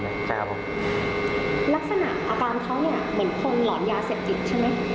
รักษณะอาการเขานี่เหมือนพงหลอนยาเศรษฐิทธิ์ใช่มั้ย